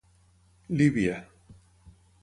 Líbia.